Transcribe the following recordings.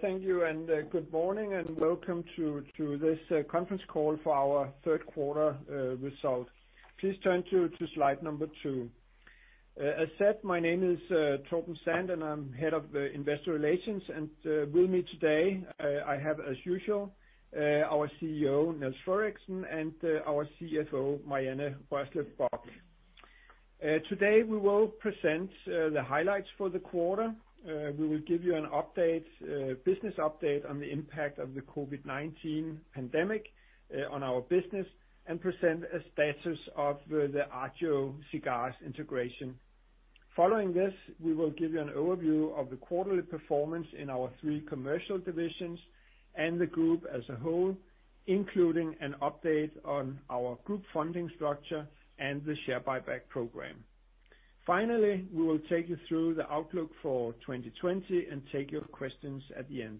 Thank you, good morning, and welcome to this conference call for our third quarter results. Please turn to slide number two. As said, my name is Torben Sand, and I am Head of Investor Relations. With me today, I have, as usual, our CEO, Niels Frederiksen, and our CFO, Marianne Rørslev Bock. Today, we will present the highlights for the quarter. We will give you a business update on the impact of the COVID-19 pandemic on our business, and present a status of the Agio Cigars integration. Following this, we will give you an overview of the quarterly performance in our three commercial divisions and the group as a whole, including an update on our group funding structure and the share buyback program. Finally, we will take you through the outlook for 2020 and take your questions at the end.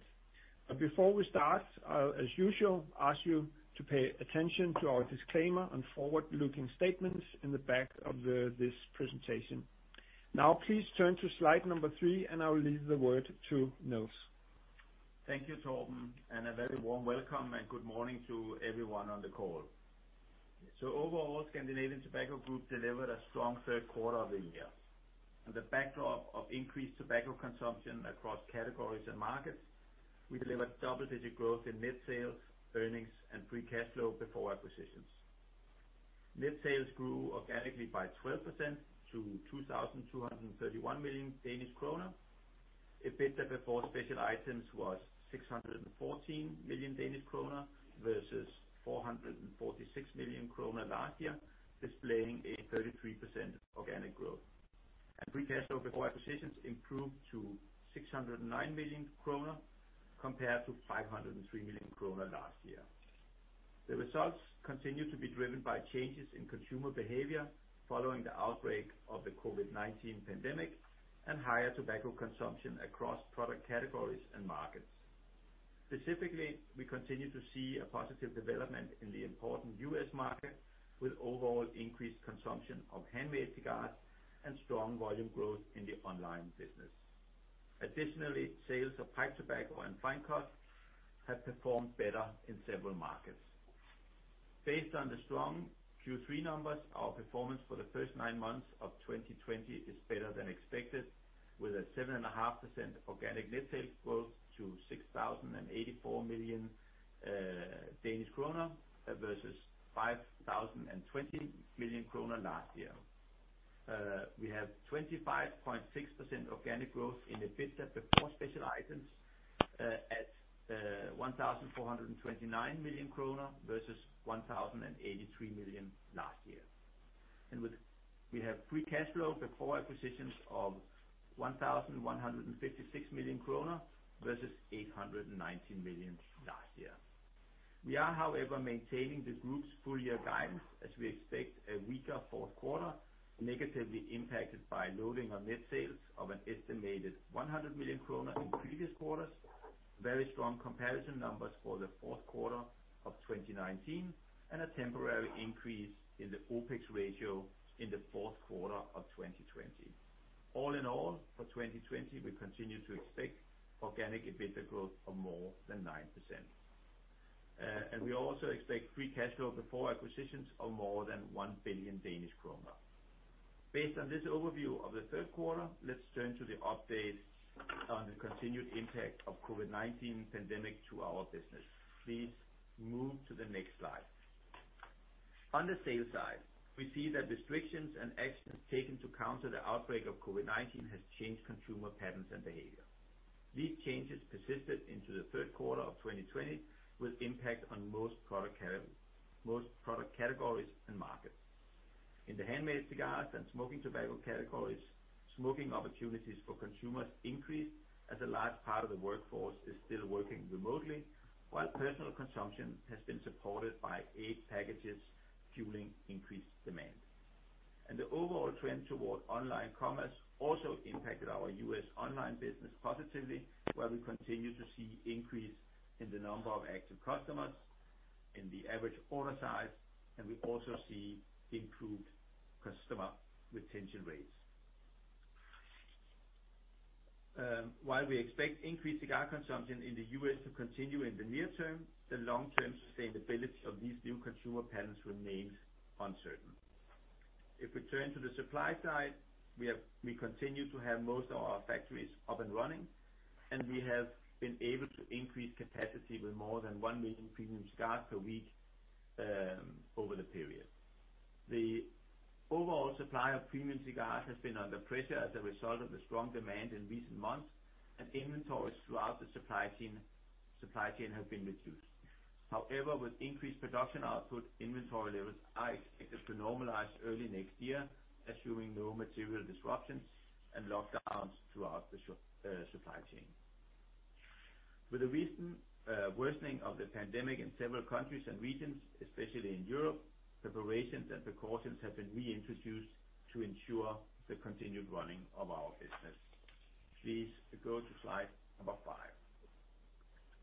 Before we start, I will, as usual, ask you to pay attention to our disclaimer on forward-looking statements in the back of this presentation. Please turn to slide number three, and I will leave the word to Niels. Thank you, Torben, a very warm welcome and good morning to everyone on the call. Overall, Scandinavian Tobacco Group delivered a strong third quarter of the year. On the backdrop of increased tobacco consumption across categories and markets, we delivered double-digit growth in net sales, earnings, and free cash flow before acquisitions. Net sales grew organically by 12% to 2,231 million Danish kroner. EBITDA before special items was 614 million Danish kroner versus 446 million kroner last year, displaying a 33% organic growth. Free cash flow before acquisitions improved to 609 million kroner, compared to 503 million kroner last year. The results continue to be driven by changes in consumer behavior following the outbreak of the COVID-19 pandemic and higher tobacco consumption across product categories and markets. Specifically, we continue to see a positive development in the important U.S. market, with overall increased consumption of handmade cigars and strong volume growth in the online business. Additionally, sales of pipe tobacco and fine cut have performed better in several markets. Based on the strong Q3 numbers, our performance for the first nine months of 2020 is better than expected, with a 7.5% organic net sales growth to 6,084 million Danish kroner versus 5,020 million kroner last year. We have 25.6% organic growth in the EBITDA before special items at 1,429 million kroner versus 1,083 million last year. We have free cash flow before acquisitions of 1,156 million kroner versus 819 million last year. We are, however, maintaining the group's full year guidance as we expect a weaker fourth quarter, negatively impacted by loading on net sales of an estimated 100 million kroner in previous quarters, very strong comparison numbers for the fourth quarter of 2019, and a temporary increase in the OPEX ratio in the fourth quarter of 2020. All in all, for 2020, we continue to expect organic EBITDA growth of more than 9%. We also expect free cash flow before acquisitions of more than 1 billion Danish kroner. Based on this overview of the third quarter, let's turn to the updates on the continued impact of COVID-19 pandemic to our business. Please move to the next slide. On the sales side, we see that restrictions and actions taken to counter the outbreak of COVID-19 has changed consumer patterns and behavior. These changes persisted into the third quarter of 2020 with impact on most product categories and markets. In the handmade cigars and smoking tobacco categories, smoking opportunities for consumers increased as a large part of the workforce is still working remotely, while personal consumption has been supported by aid packages fueling increased demand. The overall trend toward online commerce also impacted our U.S. online business positively, where we continue to see increase in the number of active customers, in the average order size, and we also see improved customer retention rates. While we expect increased cigar consumption in the U.S. to continue in the near term, the long-term sustainability of these new consumer patterns remains uncertain. If we turn to the supply side, we continue to have most of our factories up and running, and we have been able to increase capacity with more than 1 million premium cigars per week over the period. The overall supply of premium cigars has been under pressure as a result of the strong demand in recent months, and inventories throughout the supply chain have been reduced. However, with increased production output, inventory levels are expected to normalize early next year, assuming no material disruptions and lockdowns throughout the supply chain. With the recent worsening of the pandemic in several countries and regions, especially in Europe, preparations and precautions have been reintroduced to ensure the continued running of our business. Please go to slide number five.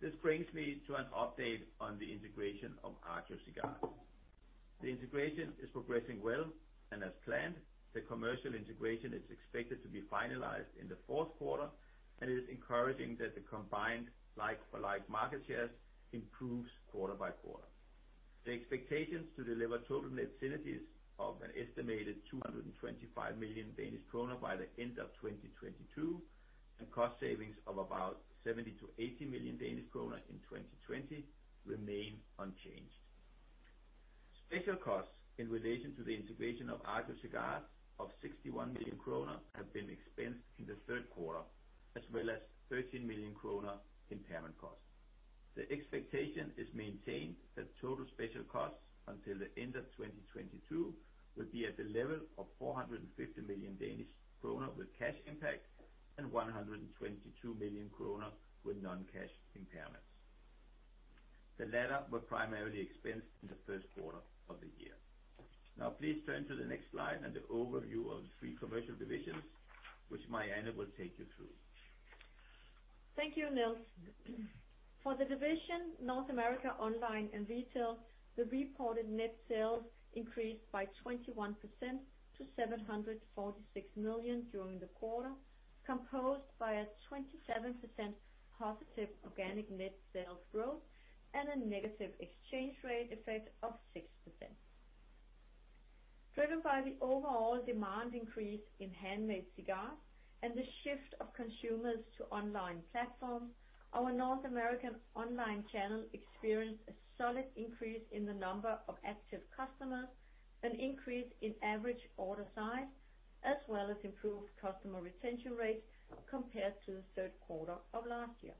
This brings me to an update on the integration of Agio Cigars. The integration is progressing well and as planned. The commercial integration is expected to be finalized in the fourth quarter, and it is encouraging that the combined like-for-like market shares improves quarter by quarter. The expectations to deliver total net synergies of an estimated 225 million Danish kroner by the end of 2022, and cost savings of about 70 million to 80 million Danish kroner in 2020 remain unchanged. Special costs in relation to the integration of Agio Cigars of 61 million kroner have been expensed in the third quarter, as well as 13 million kroner impairment costs. The expectation is maintained that total special costs until the end of 2022 will be at the level of 450 million Danish kroner with cash impact and 122 million kroner with non-cash impairments. The latter were primarily expensed in the first quarter of the year. Now please turn to the next slide and the overview of the three commercial divisions, which Marianne will take you through. Thank you, Niels. For the division North America Online and Retail, the reported net sales increased by 21% to 746 million during the quarter, composed by a 27% positive organic net sales growth and a negative exchange rate effect of 6%. Driven by the overall demand increase in handmade cigars and the shift of consumers to online platforms, our North American online channel experienced a solid increase in the number of active customers, an increase in average order size, as well as improved customer retention rates compared to the third quarter of last year.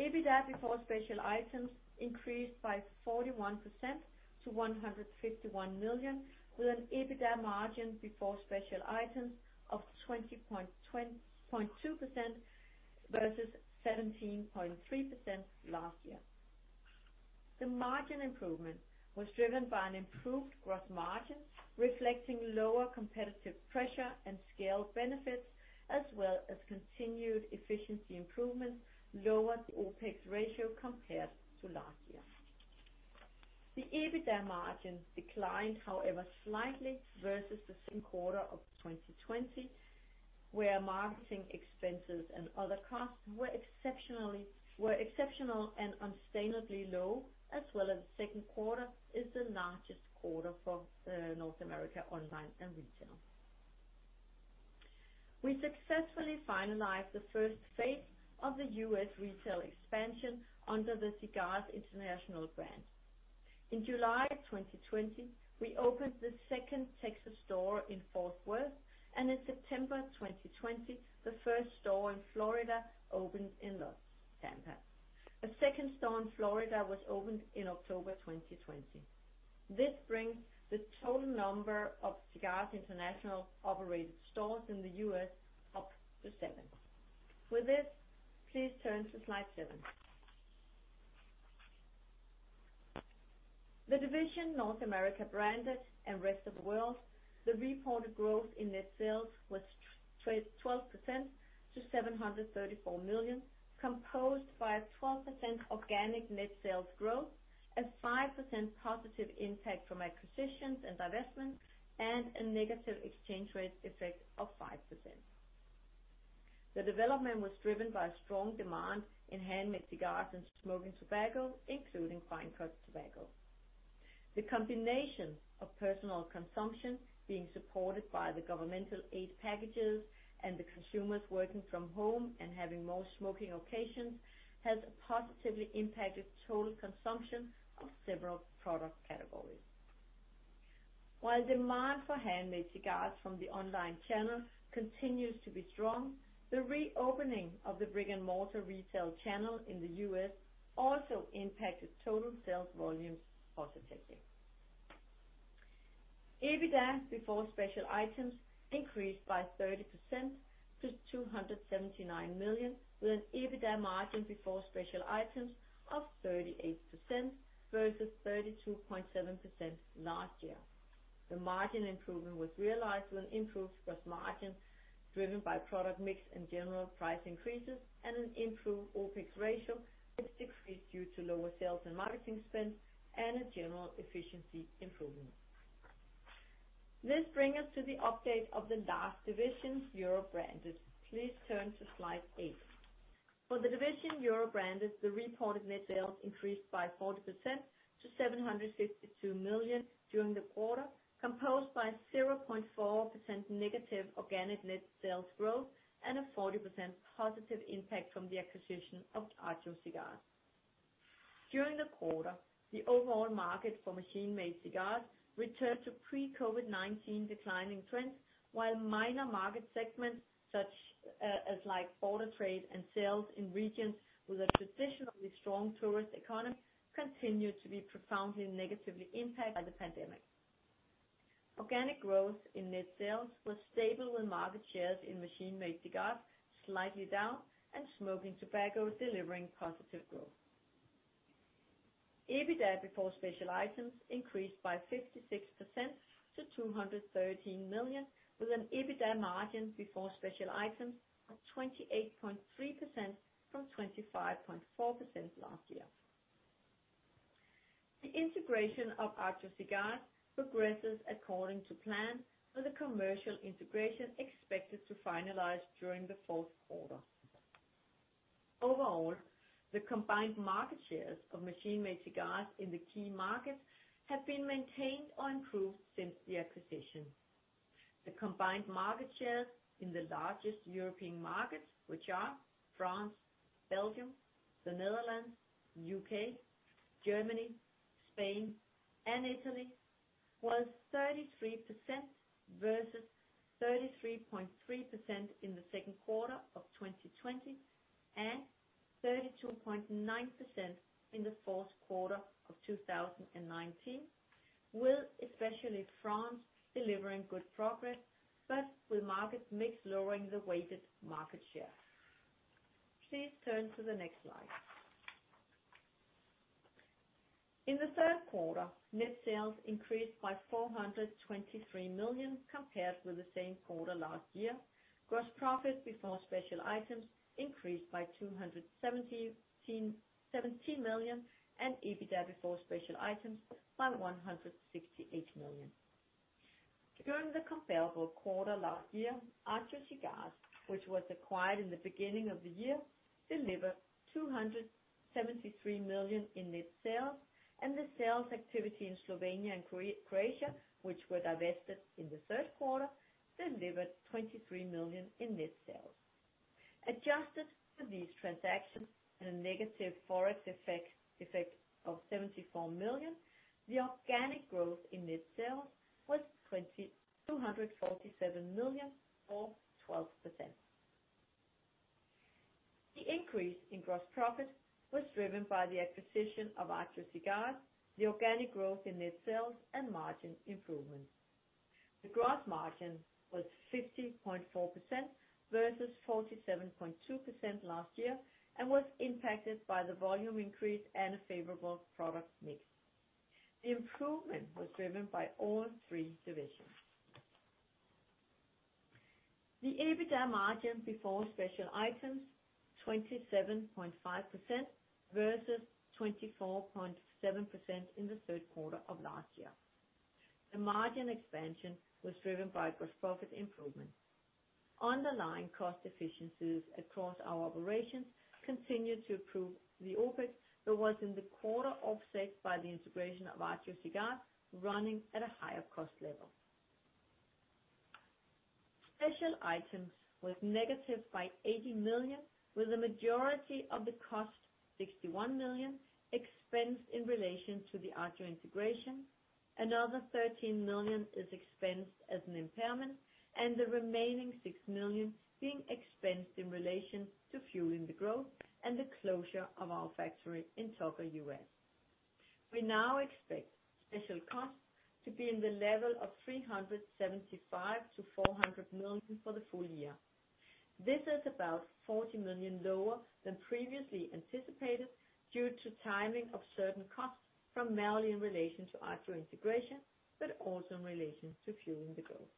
EBITDA before special items increased by 41% to 151 million, with an EBITDA margin before special items of 20.2% versus 17.3% last year. The margin improvement was driven by an improved gross margin reflecting lower competitive pressure and scale benefits, as well as continued efficiency improvements lowered the OPEX ratio compared to last year. The EBITDA margin declined, however, slightly versus the same quarter of 2019, where marketing expenses and other costs were exceptional and unsustainably low, as well as the second quarter is the largest quarter for North America online and retail. We successfully finalized the first phase of the U.S. retail expansion under the Cigars International brand. In July 2020, we opened the second Texas store in Fort Worth, and in September 2020, the first store in Florida opened in Tampa. A second store in Florida was opened in October 2020. This brings the total number of Cigars International operated stores in the U.S. up to seven. With this, please turn to slide seven. The division North America Branded and Rest of World, the reported growth in net sales was 12% to 734 million, composed by a 12% organic net sales growth, a 5% positive impact from acquisitions and divestments, and a negative exchange rate effect of 5%. The development was driven by a strong demand in handmade cigars and smoking tobacco, including fine cut tobacco. The combination of personal consumption being supported by the governmental aid packages and the consumers working from home and having more smoking occasions has positively impacted total consumption of several product categories. While demand for handmade cigars from the online channels continues to be strong, the reopening of the brick-and-mortar retail channel in the U.S. also impacted total sales volumes positively. EBITDA before special items increased by 30% to 279 million, with an EBITDA margin before special items of 38% versus 32.7% last year. The margin improvement was realized with an improved gross margin driven by product mix and general price increases and an improved OpEx ratio, which decreased due to lower sales and marketing spend and a general efficiency improvement. This brings us to the update of the last division, Europe Branded. Please turn to slide eight. For the division Europe Branded, the reported net sales increased by 40% to 752 million during the quarter, composed by 0.4% negative organic net sales growth and a 40% positive impact from the acquisition of Agio Cigars. During the quarter, the overall market for machine-made cigars returned to pre-COVID-19 declining trends, while minor market segments such as border trade and sales in regions with a traditionally strong tourist economy continued to be profoundly negatively impacted by the pandemic. Organic growth in net sales was stable, with market shares in machine-made cigars slightly down and smoking tobacco delivering positive growth. EBITDA before special items increased by 56% to 213 million, with an EBITDA margin before special items of 28.3%, from 25.4% last year. The integration of Agio Cigars progresses according to plan, with the commercial integration expected to finalize during the fourth quarter. Overall, the combined market shares of machine-made cigars in the key markets have been maintained or improved since the acquisition. The combined market shares in the largest European markets, which are France, Belgium, the Netherlands, U.K., Germany, Spain, and Italy, was 33% versus 33.3% in the second quarter of 2020, and 32.9% in the fourth quarter of 2019, with especially France delivering good progress, but with market mix lowering the weighted market share. Please turn to the next slide. In the third quarter, net sales increased by 423 million compared with the same quarter last year. Gross profit before special items increased by 217 million, and EBITDA before special items by 168 million. During the comparable quarter last year, Agio Cigars, which was acquired in the beginning of the year, delivered 273 million in net sales, and the sales activity in Slovenia and Croatia, which were divested in the third quarter, delivered 23 million in net sales. Adjusted for these transactions and a negative ForEx effect of 74 million, the organic growth in net sales was 247 million or 12%. The increase in gross profit was driven by the acquisition of Agio Cigars, the organic growth in net sales, and margin improvements. The gross margin was 50.4% versus 47.2% last year, and was impacted by the volume increase and a favorable product mix. The improvement was driven by all three divisions. The EBITDA margin before special items, 27.5% versus 24.7% in the third quarter of last year. The margin expansion was driven by gross profit improvements. Underlying cost efficiencies across our operations continued to improve the OpEx, but was in the quarter offset by the integration of Agio Cigars running at a higher cost level. Special items was negative by 80 million, with a majority of the cost, 61 million, expensed in relation to the Agio integration. Another 13 million is expensed as an impairment, and the remaining 6 million being expensed in relation to Fuelling the Growth and the closure of our factory in Tucker, U.S. We now expect special costs to be in the level of 375 million-400 million for the full year. This is about 40 million lower than previously anticipated, due to timing of certain costs from mainly in relation to Agio Cigars integration, but also in relation to Fuelling the Growth.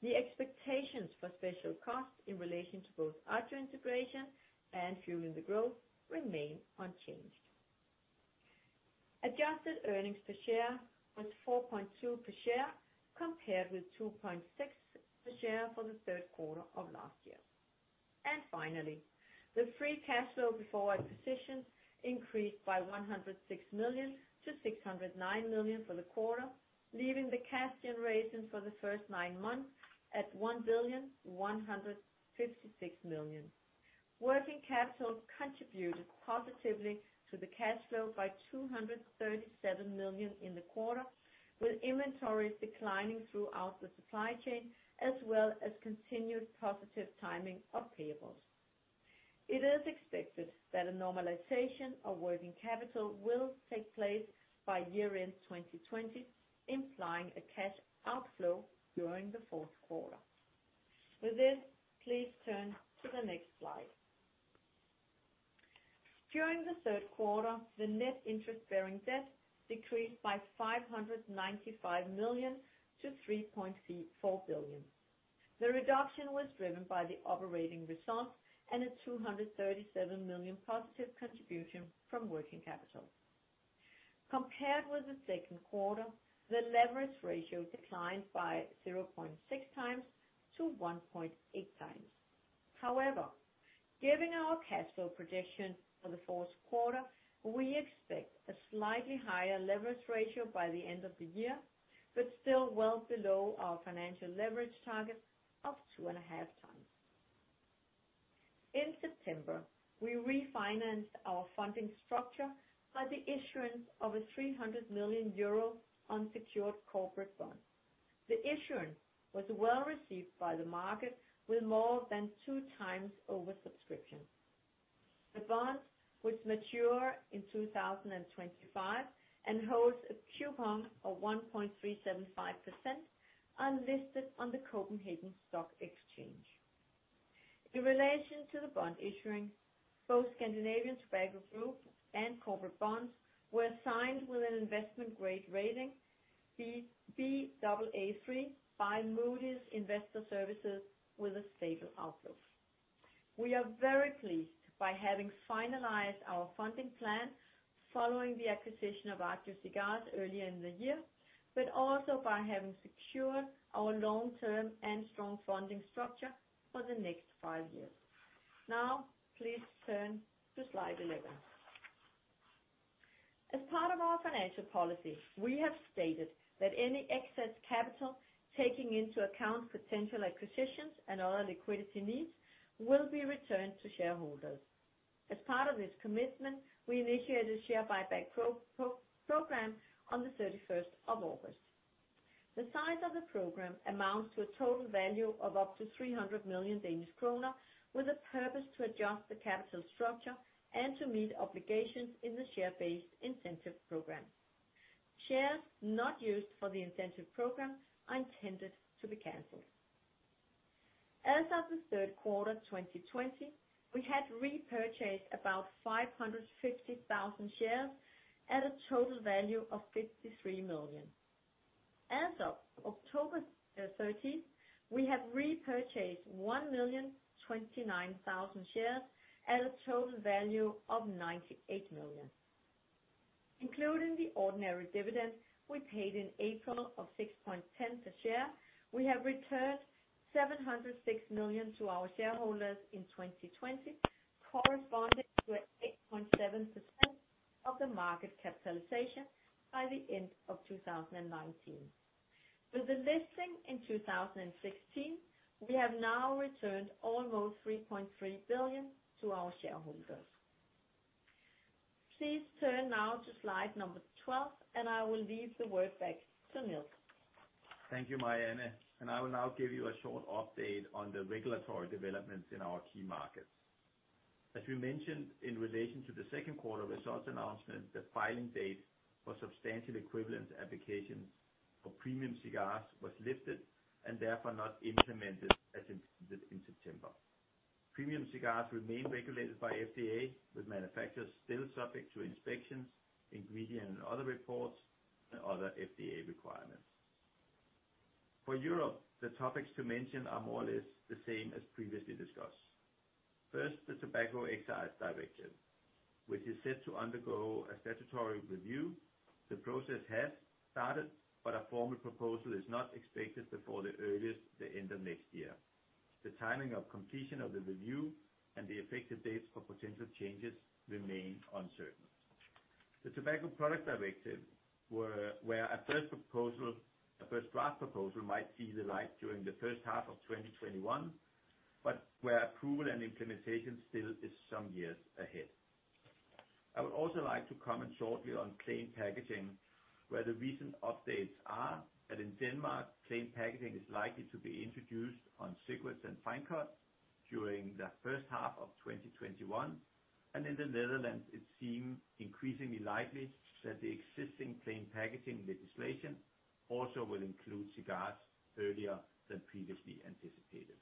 The expectations for special costs in relation to both Agio Cigars integration and Fuelling the Growth remain unchanged. Adjusted earnings per share was 4.2 per share, compared with 2.6 per share for the third quarter of last year. Finally, the free cash flow before acquisitions increased by 106 million to 609 million for the quarter, leaving the cash generation for the first nine months at 1,156 million. Working capital contributed positively to the cash flow by 237 million in the quarter, with inventories declining throughout the supply chain, as well as continued positive timing of payables. It is expected that a normalization of working capital will take place by year-end 2020, implying a cash outflow during the fourth quarter. With this, please turn to the next slide. During the third quarter, the net interest-bearing debt decreased by 595 million to 3.4 billion. The reduction was driven by the operating results and a 237 million positive contribution from working capital. Compared with the second quarter, the leverage ratio declined by 0.6 times to 1.8 times. However, given our cash flow projection for the fourth quarter, we expect a slightly higher leverage ratio by the end of the year, but still well below our financial leverage target of 2.5 times. In September, we refinanced our funding structure by the issuance of a 300 million euro unsecured corporate bond. The issuance was well received by the market with more than 2 times oversubscription. The bond will mature in 2025 and holds a coupon of 1.375%, unlisted on the Copenhagen Stock Exchange. In relation to the bond issuing, both Scandinavian Tobacco Group and corporate bonds were assigned with an investment grade rating, Baa3 by Moody's Investors Service with a stable outlook. We are very pleased by having finalized our funding plan following the acquisition of Agio Cigars earlier in the year, but also by having secured our long-term and strong funding structure for the next five years. Now, please turn to slide 11. As part of our financial policy, we have stated that any excess capital, taking into account potential acquisitions and other liquidity needs, will be returned to shareholders. As part of this commitment, we initiated a share buyback program on the 31st of August. The size of the program amounts to a total value of up to 300 million Danish kroner with a purpose to adjust the capital structure and to meet obligations in the share-based incentive program. Shares not used for the incentive program are intended to be canceled. As of the third quarter 2020, we had repurchased about 550,000 shares at a total value of 53 million. As of October 13th, we have repurchased 1,029,000 shares at a total value of 98 million. Including the ordinary dividend we paid in April of 6.10 per share, we have returned 706 million to our shareholders in 2020, corresponding to 8.7% of the market capitalization by the end of 2019. With the listing in 2016, we have now returned almost 3.3 billion to our shareholders. Please turn now to slide number 12, and I will leave the word back to Niels. Thank you, Marianne. I will now give you a short update on the regulatory developments in our key markets. As we mentioned in relation to the second quarter results announcement, the filing date for substantial equivalence applications for premium cigars was lifted and therefore not implemented as implemented in September. Premium cigars remain regulated by FDA, with manufacturers still subject to inspections, ingredient and other reports, and other FDA requirements. For Europe, the topics to mention are more or less the same as previously discussed. First, the Tobacco Excise Directive, which is set to undergo a statutory review. The process has started, a formal proposal is not expected before at earliest the end of next year. The timing of completion of the review and the effective dates for potential changes remain uncertain. The Tobacco Products Directive, where a first draft proposal might see the light during the first half of 2021, approval and implementation still is some years ahead. I would also like to comment shortly on plain packaging, where the recent updates are that in Denmark, plain packaging is likely to be introduced on cigarettes and fine cut during the first half of 2021, and in the Netherlands, it seem increasingly likely that the existing plain packaging legislation also will include cigars earlier than previously anticipated.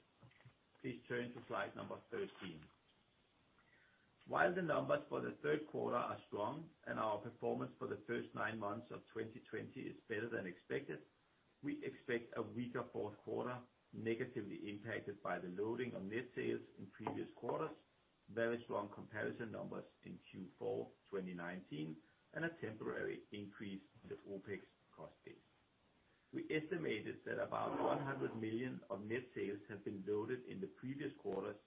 Please turn to slide number 13. While the numbers for the third quarter are strong and our performance for the first nine months of 2020 is better than expected, we expect a weaker fourth quarter, negatively impacted by the loading on net sales in previous quarters, very strong comparison numbers in Q4 2019, and a temporary increase in the OpEx cost base. We estimated that about 100 million of net sales have been loaded in the previous quarters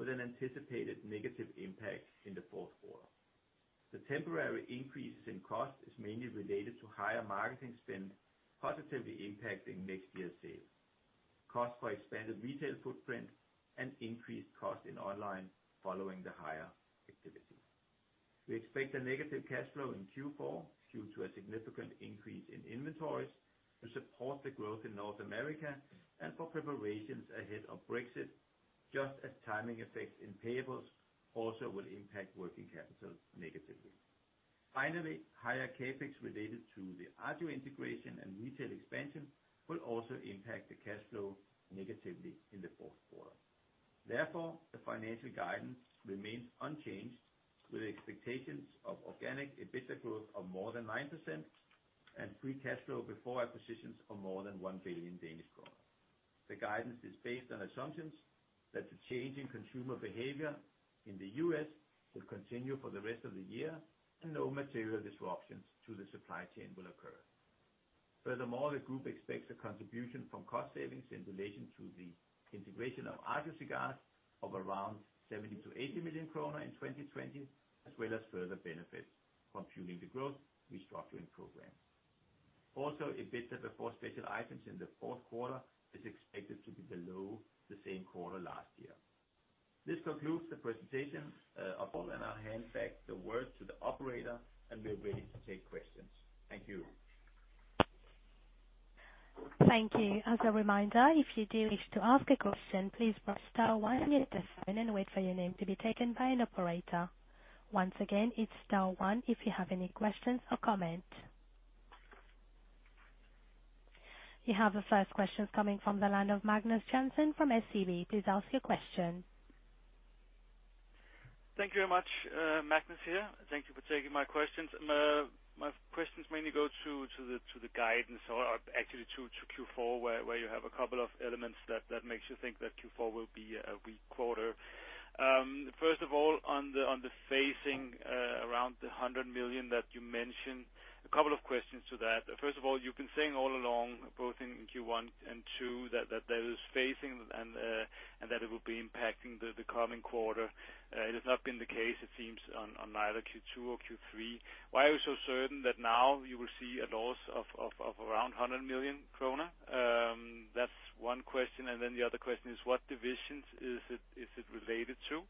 with an anticipated negative impact in the fourth quarter. The temporary increase in cost is mainly related to higher marketing spend, positively impacting next year's sales. Cost for expanded retail footprint and increased cost in online following the higher activity. We expect a negative cash flow in Q4 due to a significant increase in inventories to support the growth in North America and for preparations ahead of Brexit, just as timing effects in payables also will impact working capital negatively. Higher CapEx related to the Agio Cigars integration and retail expansion will also impact the cash flow negatively in the fourth quarter. The financial guidance remains unchanged with expectations of organic EBITDA growth of more than 9% and free cash flow before acquisitions of more than 1 billion Danish kroner. The guidance is based on assumptions that the change in consumer behavior in the U.S. will continue for the rest of the year and no material disruptions to the supply chain will occur. The group expects a contribution from cost savings in relation to the integration of Agio Cigars of around 70 million-80 million kroner in 2020, as well as further benefits from fueling the growth restructuring program. EBITDA before special items in the fourth quarter is expected to be below the same quarter last year. This concludes the presentation of all. I'll hand back the word to the operator and we're ready to take questions. Thank you. Thank you. As a reminder, if you do wish to ask a question, please press star one on your telephone and wait for your name to be taken by an operator. Once again, it's star one if you have any questions or comments. You have the first questions coming from the line of Magnus Jensen from SEB. Please ask your question. Thank you very much. Magnus here. Thank you for taking my questions. My questions mainly go to the guidance or actually to Q4, where you have a couple of elements that makes you think that Q4 will be a weak quarter. First of all, on the phasing around the 100 million that you mentioned, a couple of questions to that. First of all, you've been saying all along, both in Q1 and Q2, that there is phasing and that it will be impacting the coming quarter. It has not been the case, it seems, on either Q2 or Q3. Why are you so certain that now you will see a loss of around 100 million kroner? That's one question. Then the other question is, what divisions is it related to?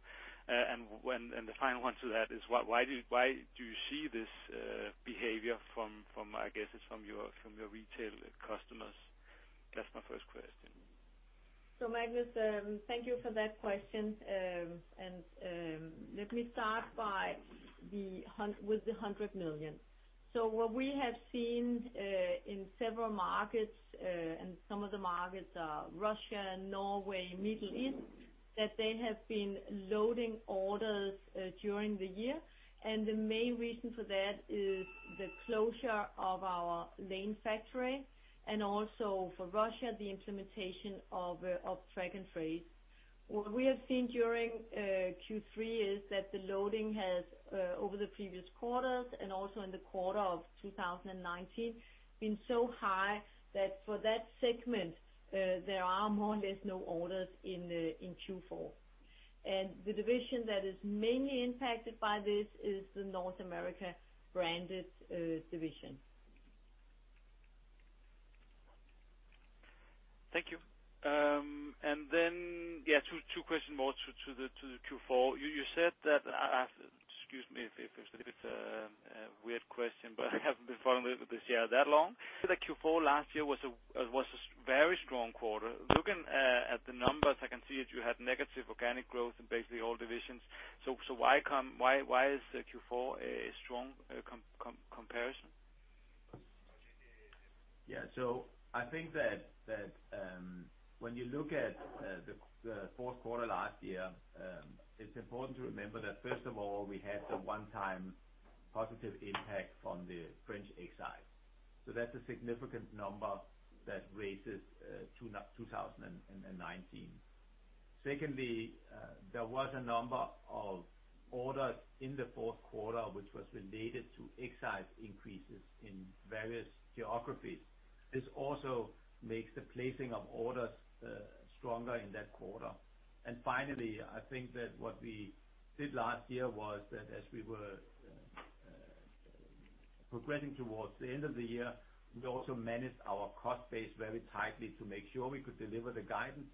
The final one to that is why do you see this behavior from, I guess, your retail customers? That's my first question. Magnus, thank you for that question. Let me start with the 100 million. What we have seen in several markets, some of the markets are Russia, Norway, Middle East, that they have been loading orders during the year. The main reason for that is the closure of our Lane factory, and also for Russia, the implementation of Track & Trace. What we have seen during Q3 is that the loading has, over the previous quarters and also in the quarter of 2019, been so high that for that segment, there are more or less no orders in Q4. The division that is mainly impacted by this is the North America Branded division. Thank you. Then, two questions more to the Q4. You said that, excuse me if it's a weird question, but I haven't been following this year that long. You said that Q4 last year was a very strong quarter. Looking at the numbers, I can see that you had negative organic growth in basically all divisions. Why is the Q4 a strong comparison? Yeah. I think that when you look at the fourth quarter last year, it's important to remember that first of all, we had the one-time positive impact from the French excise. That's a significant number that raises 2019. Secondly, there was a number of orders in the fourth quarter, which was related to excise increases in various geographies. This also makes the placing of orders stronger in that quarter. Finally, I think that what we did last year was that as we were progressing towards the end of the year, we also managed our cost base very tightly to make sure we could deliver the guidance.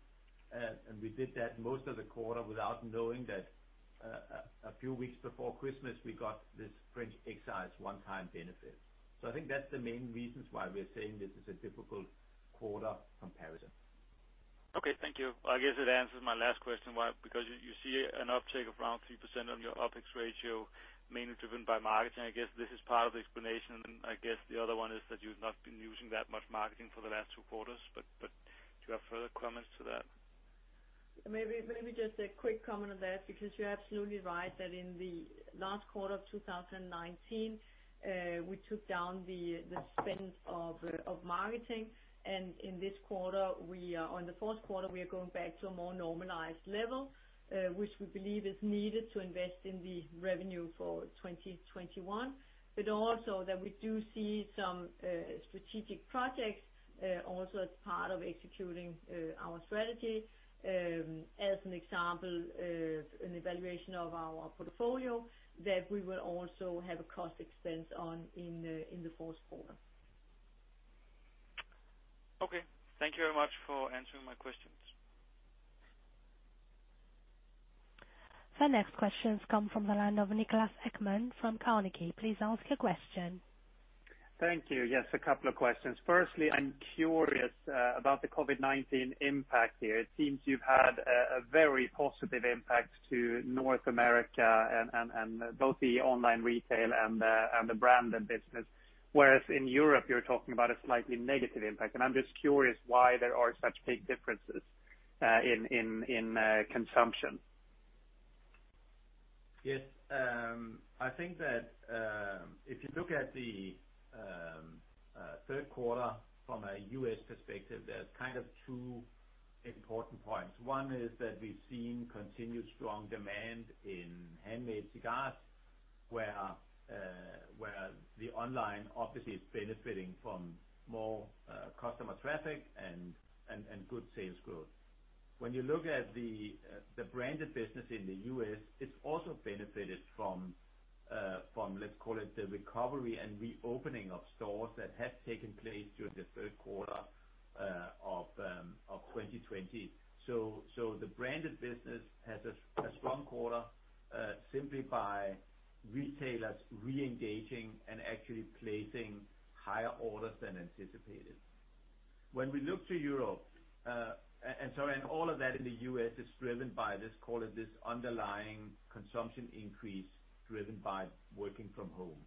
We did that most of the quarter without knowing that a few weeks before Christmas, we got this French excise one-time benefit. I think that's the main reasons why we are saying this is a difficult quarter comparison. Okay. Thank you. I guess it answers my last question why, because you see an uptick of around 3% on your OPEX ratio, mainly driven by marketing. I guess this is part of the explanation, and I guess the other one is that you've not been using that much marketing for the last two quarters. Do you have further comments to that? Maybe just a quick comment on that, because you're absolutely right, that in the last quarter of 2019, we took down the spend of marketing. In this quarter, on the fourth quarter, we are going back to a more normalized level, which we believe is needed to invest in the revenue for 2021. Also that we do see some strategic projects, also as part of executing our strategy. As an example, an evaluation of our portfolio that we will also have a cost expense on in the fourth quarter. Okay. Thank you very much for answering my questions. The next questions come from the line of Niklas Ekman from Carnegie. Please ask your question. Thank you. Yes, a couple of questions. Firstly, I'm curious about the COVID-19 impact here. It seems you've had a very positive impact to North America and both the online retail and the branded business. Whereas in Europe you're talking about a slightly negative impact, I'm just curious why there are such big differences in consumption. Yes. I think that if you look at the third quarter from a U.S. perspective, there's kind of two important points. One is that we've seen continued strong demand in handmade cigars where the online obviously is benefiting from more customer traffic and good sales growth. When you look at the branded business in the U.S., it's also benefited from, let's call it the recovery and reopening of stores that have taken place during the third quarter of 2020. The branded business has a strong quarter simply by retailers reengaging and actually placing higher orders than anticipated. When we look to Europe, sorry, all of that in the U.S. is driven by this, call it this underlying consumption increase driven by working from home.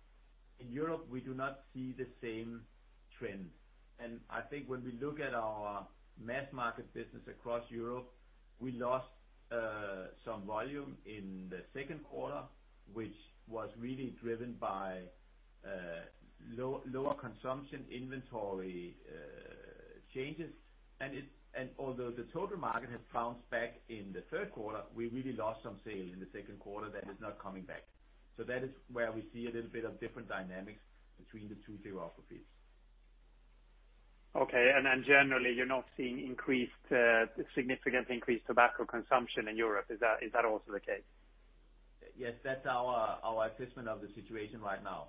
In Europe, we do not see the same trends. I think when we look at our mass market business across Europe, we lost some volume in the second quarter, which was really driven by lower consumption inventory changes. Although the total market has bounced back in the third quarter, we really lost some sales in the second quarter that is not coming back. That is where we see a little bit of different dynamics between the two geographies. Okay. Generally, you're not seeing significantly increased tobacco consumption in Europe, is that also the case? Yes. That's our assessment of the situation right now.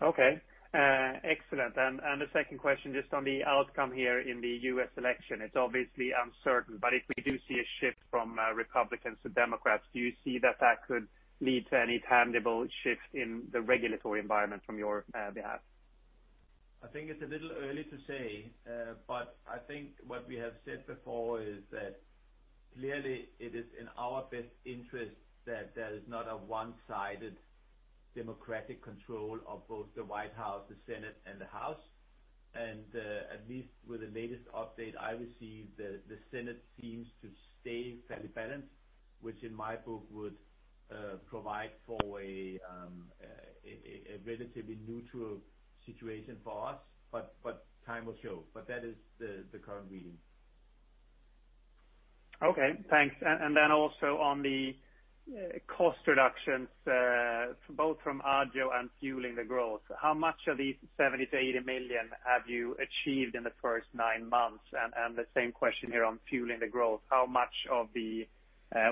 Okay. Excellent. The second question, just on the outcome here in the U.S. election, it's obviously uncertain, but if we do see a shift from Republicans to Democrats, do you see that that could lead to any tangible shift in the regulatory environment from your behalf? I think it's a little early to say, but I think what we have said before is that clearly it is in our best interest that there is not a one-sided Democratic control of both the White House, the Senate, and the House. At least with the latest update I received, the Senate seems to stay fairly balanced, which in my book would provide for a relatively neutral situation for us. Time will show. That is the current reading. Okay, thanks. Also on the cost reductions, both from Agio and fueling the growth, how much of these 70 million-80 million have you achieved in the first nine months? The same question here on fueling the growth, how much of the,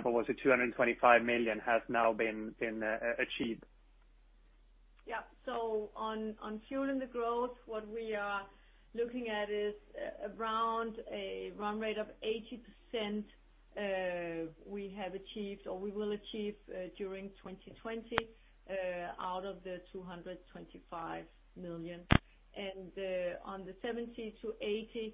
what was it, 225 million has now been achieved? On fueling the growth, what we are looking at is around a run rate of 80% we have achieved or we will achieve during 2020 out of the 225 million. On the 70-80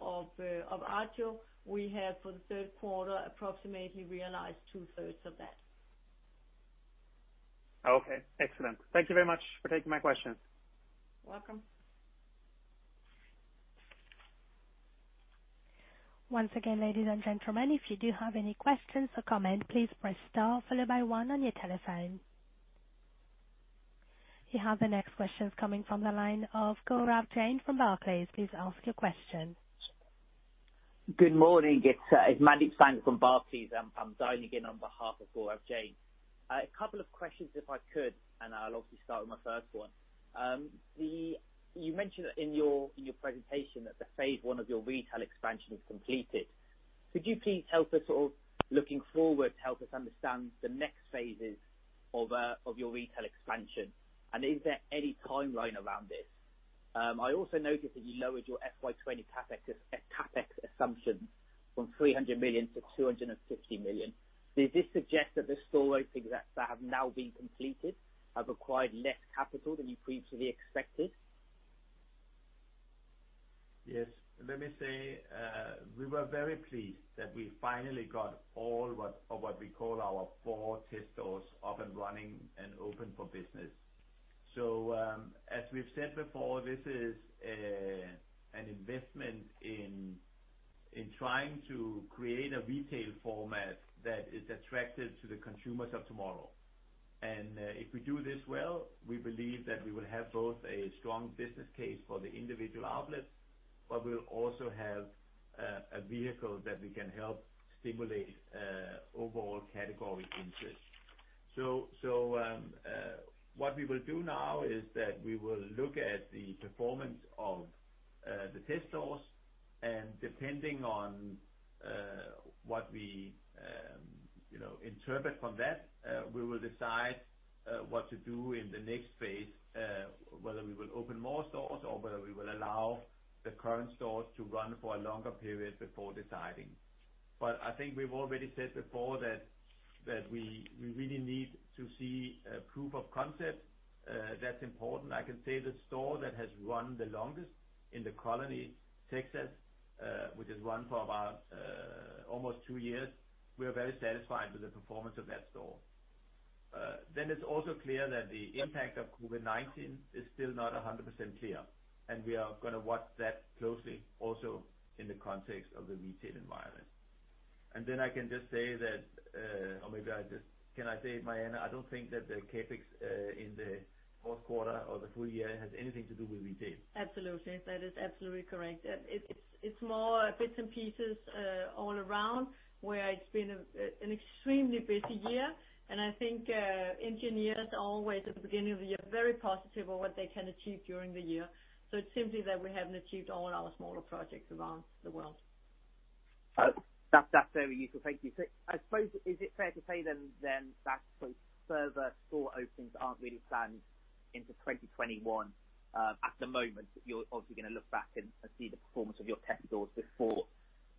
of Agio, we have for the third quarter approximately realized two-thirds of that. Okay. Excellent. Thank you very much for taking my questions. Welcome. Once again, ladies and gentlemen, if you do have any questions or comment, please press star followed by one on your telephone. You have the next questions coming from the line of Gaurav Jain from Barclays. Please ask your question. Good morning. It's Mandeep Singh from Barclays. I'm dialing in on behalf of Gaurav Jain. A couple of questions if I could, I'll obviously start with my first one. You mentioned in your presentation that the phase 1 of your retail expansion is completed. Could you please, looking forward, help us understand the next phases of your retail expansion, and is there any timeline around this? I also noticed that you lowered your FY 2020 CapEx assumption from 300 million to 250 million. Does this suggest that the store openings that have now been completed have acquired less capital than you previously expected? Yes. Let me say, we were very pleased that we finally got all what we call our four test stores up and running and open for business. As we've said before, this is an investment in trying to create a retail format that is attractive to the consumers of tomorrow. If we do this well, we believe that we will have both a strong business case for the individual outlets, but we'll also have a vehicle that we can help stimulate overall category interest. What we will do now is that we will look at the performance of the test stores, and depending on what we interpret from that, we will decide what to do in the next phase, whether we will open more stores or whether we will allow the current stores to run for a longer period before deciding. I think we've already said before that we really need to see proof of concept. That's important. I can say the store that has run the longest in The Colony, Texas, which has run for about almost two years, we are very satisfied with the performance of that store. It's also clear that the impact of COVID-19 is still not 100% clear, and we are going to watch that closely also in the context of the retail environment. I can just say that, or maybe I'll just Can I say, Marianne, I don't think that the CapEx in the fourth quarter or the full year has anything to do with retail. Absolutely. That is absolutely correct. It's more bits and pieces all around where it's been an extremely busy year, and I think engineers are always at the beginning of the year, very positive of what they can achieve during the year. It's simply that we haven't achieved all our smaller projects around the world. That's very useful. Thank you. I suppose, is it fair to say then that further store openings aren't really planned into 2021 at the moment? You're obviously going to look back and see the performance of your test stores before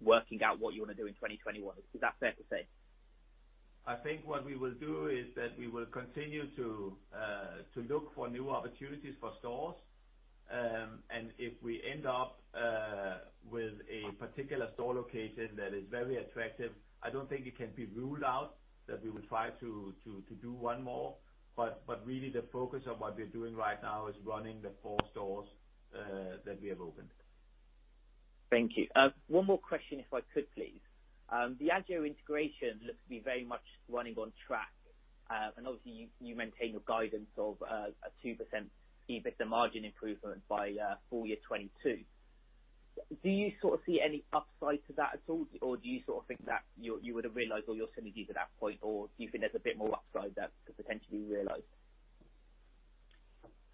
working out what you want to do in 2021. Is that fair to say? I think what we will do is that we will continue to look for new opportunities for stores if we end up with a particular store location that is very attractive, I don't think it can be ruled out that we will try to do one more. Really the focus of what we're doing right now is running the four stores that we have opened. Thank you. One more question, if I could, please. The Agio integration looks to be very much running on track, and obviously you maintain your guidance of a 2% EBITDA margin improvement by FY 2022. Do you sort of see any upside to that at all? Do you think that you would have realized all your synergies at that point? Do you think there's a bit more upside that could potentially be realized?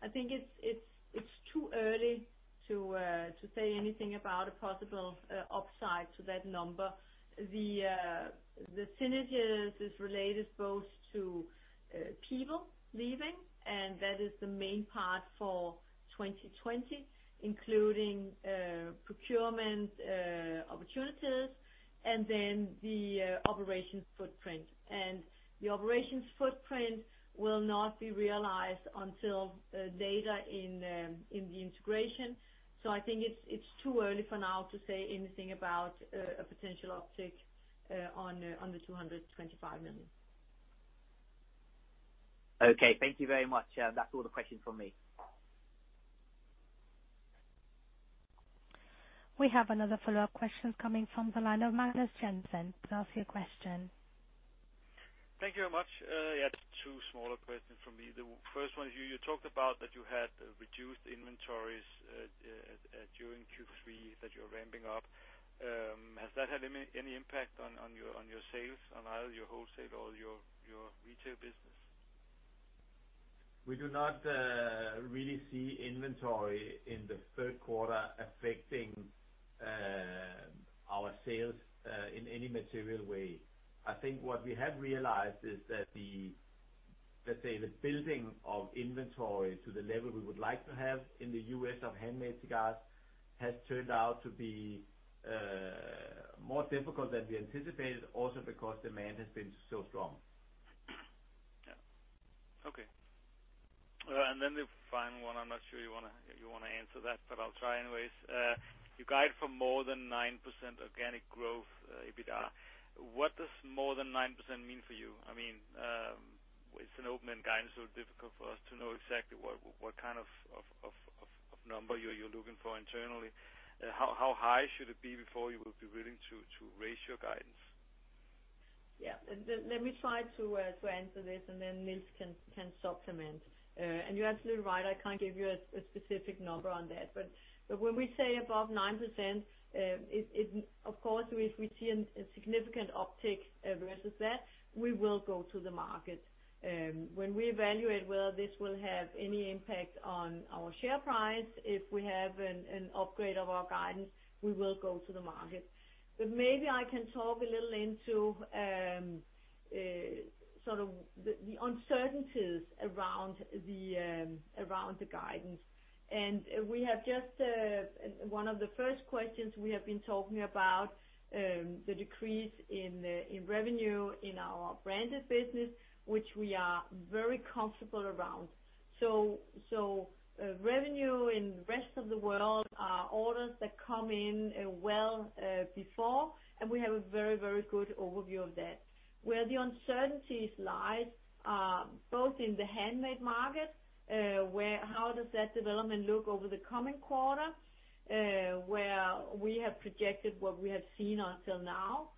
I think it's too early to say anything about a possible upside to that number. The synergies is related both to people leaving, and that is the main part for 2020, including procurement opportunities and then the operations footprint. The operations footprint will not be realized until later in the integration. I think it's too early for now to say anything about a potential uptick on the 225 million. Okay. Thank you very much. That's all the questions from me. We have another follow-up question coming from the line of Magnus Jensen. Please ask your question. Thank you very much. Two smaller questions from me. The first one is, you talked about that you had reduced inventories during Q3 that you're ramping up. Has that had any impact on your sales, on either your wholesale or your retail business? We do not really see inventory in the third quarter affecting our sales in any material way. I think what we have realized is that the, let's say, the building of inventory to the level we would like to have in the U.S. of handmade cigars has turned out to be more difficult than we anticipated, also because demand has been so strong. Yeah. Okay. The final one, I'm not sure you want to answer that, but I'll try anyways. You guide for more than 9% organic growth, EBITDA. What does more than 9% mean for you? It's an open-end guidance, difficult for us to know exactly what kind of number you're looking for internally. How high should it be before you would be willing to raise your guidance? Yeah. Let me try to answer this, then Niels can supplement. You're absolutely right, I can't give you a specific number on that. When we say above 9%, of course, if we see a significant uptick versus that, we will go to the market. When we evaluate whether this will have any impact on our share price, if we have an upgrade of our guidance, we will go to the market. Maybe I can talk a little into sort of the uncertainties around the guidance. One of the first questions we have been talking about the decrease in revenue in our branded business, which we are very comfortable around. Revenue in the rest of the world are orders that come in well before, and we have a very, very good overview of that. Where the uncertainties lie are both in the handmade market, how does that development look over the coming quarter, where we have projected what we have seen until now.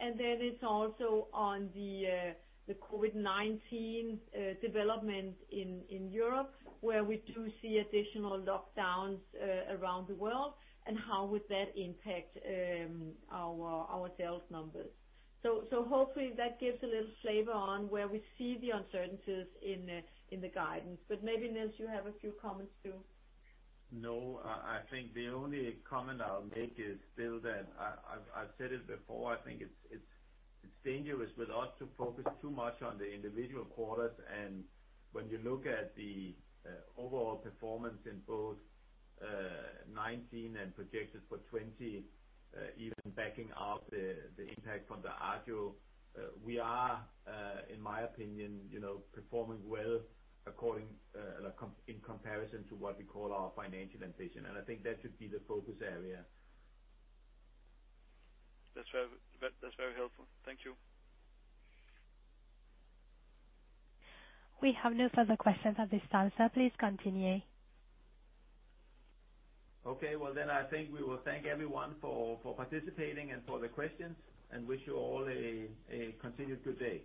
It's also on the COVID-19 development in Europe, where we do see additional lockdowns around the world, how would that impact our sales numbers. Hopefully that gives a little flavor on where we see the uncertainties in the guidance. Maybe, Niels, you have a few comments, too. I think the only comment I'll make is still that, I've said it before, I think it's dangerous with us to focus too much on the individual quarters. When you look at the overall performance in both 2019 and projections for 2020, even backing out the impact from the Agio, we are, in my opinion, performing well in comparison to what we call our financial ambition. I think that should be the focus area. That's very helpful. Thank you. We have no further questions at this time. Sir, please continue. I think we will thank everyone for participating and for the questions, wish you all a continued good day.